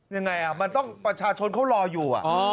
ยังไงมันต้องประชาชนเขารออยู่